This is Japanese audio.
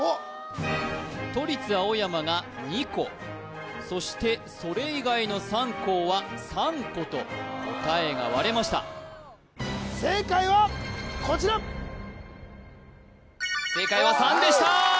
都立青山が２個そしてそれ以外の３校は３個と答えが割れました正解はこちら正解は３でした！